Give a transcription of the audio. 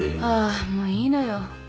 ああもういいのよ。